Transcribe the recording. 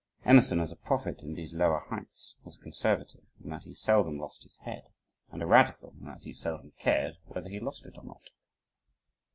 Emerson, as a prophet in these lower heights, was a conservative, in that he seldom lost his head, and a radical, in that he seldom cared whether he lost it or not.